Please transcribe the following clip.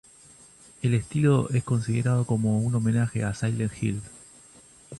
El estilo es considerado como un homenaje a Silent Hills.